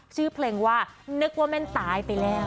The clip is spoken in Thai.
ชื่อเพลงว่านึกว่าแม่นตายไปแล้ว